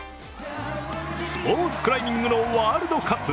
スポーツクライミングのワールドカップ。